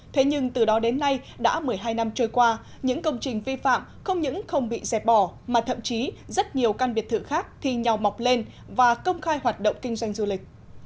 thế nhưng từ đó đến nay đã một mươi hai năm trôi qua những công trình vi phạm không những không bị dẹp bỏ mà thậm chí rất nhiều căn biệt thự khác thì nhào mọc lên và công khai hoạt động kinh doanh du lịch